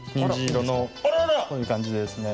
こういうかんじでですね